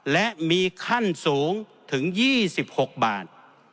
และมีขั้นสูงถึง๒๖บาท